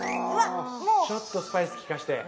ちょっとスパイスきかして。